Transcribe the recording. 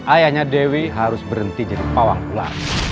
ayahnya dewi harus berhenti jadi pawang ular